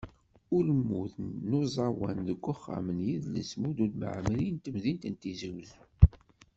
Ulmud n uẓawan deg uxxam n yidles Mulud Mɛemmri n temdint n Tizi Uzzu.